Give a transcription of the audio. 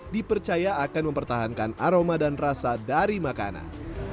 dipercaya akan mempertahankan aroma dan rasa dari makanan